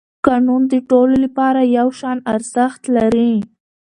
قانون د ټولو لپاره یو شان ارزښت لري